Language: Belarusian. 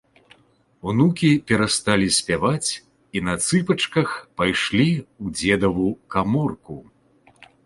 Унукі перасталі спяваць і на цыпачках пайшлі ў дзедаву каморку.